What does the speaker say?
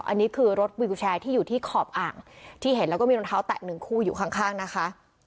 อันนี้คือรถวิวแชร์ที่อยู่ที่ขอบอ่างที่เห็นแล้วก็มีรองเท้าแตะหนึ่งคู่อยู่ข้างนะคะ